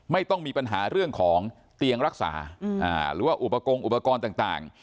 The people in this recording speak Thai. ไม่ต้องมีปัญหาเรื่องของเตียงรักษาหรือว่าอุปกอุปกรณ์ต่าง